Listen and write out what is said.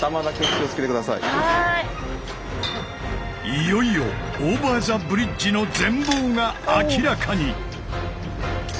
いよいよオーバー・ザ・ブリッジの全貌が明らかに！